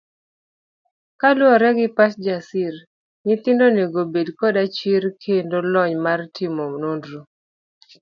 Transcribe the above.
Kaluwore gi pach Kijasir, nyithindo onego obed koda chir kendo lony mar timo nonro.